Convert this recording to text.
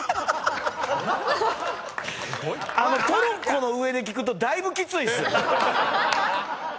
トロッコの上で聞くとだいぶきついっすよ。